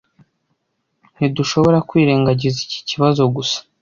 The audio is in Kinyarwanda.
Ntidushobora kwirengagiza iki kibazo gusa.